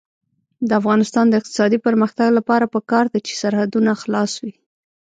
د افغانستان د اقتصادي پرمختګ لپاره پکار ده چې سرحدونه خلاص وي.